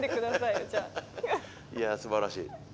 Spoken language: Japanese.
いやすばらしい。